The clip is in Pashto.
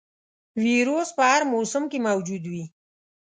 ویروس په هر موسم کې موجود وي.